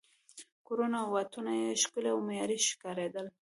کورونه او واټونه یې ښکلي او معیاري ښکارېدل.